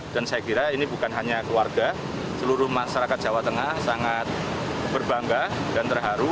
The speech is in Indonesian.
dan saya kira ini bukan hanya keluarga seluruh masyarakat jawa tengah sangat berbangga dan terharu